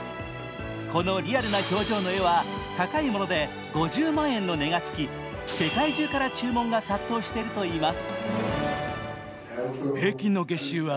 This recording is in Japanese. このリアルな表情の絵は高い物で５０万円の値が付き、世界中から注文が殺到しているといいます。